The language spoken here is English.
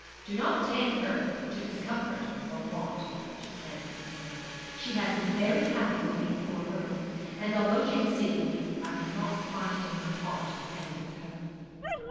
'Do not take her to discomfort or want,' she said earnestly. 'She has been very happy with me, poor girl; and although she deceived me, I cannot find it in my heart to be angry with her.'